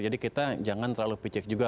jadi kita jangan terlalu pijak juga